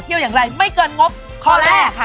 อย่างไรไม่เกินงบข้อแรกค่ะ